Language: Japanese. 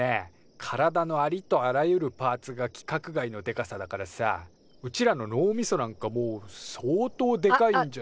体のありとあらゆるパーツが規格外のでかさだからさうちらの脳みそなんかもう相当でかいんじゃ。